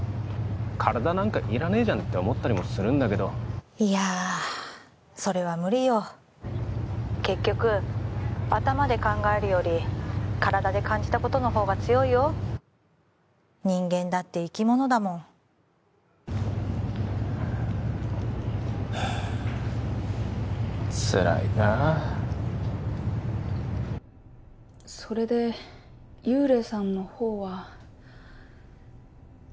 体なんかいらねえじゃんって思ったりもするんだけどいやそれは無理よ☎結局頭で考えるより体で感じたことのほうが強いよ人間だって生き物だもんはあつらいなそれで幽霊さんのほうは？